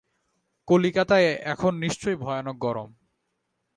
কলিকাতায় এখন নিশ্চয় ভয়ানক গরম।